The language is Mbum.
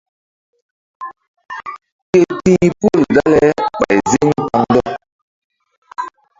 Ké ti̧h pol dale ɓay ziŋ kpaŋndɔk.